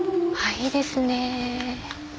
いいですね。